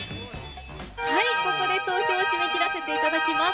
ここで投票を締め切らせていただきます。